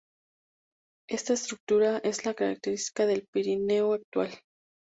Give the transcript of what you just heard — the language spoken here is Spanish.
Esta estructura es la característica del Pirineo actual.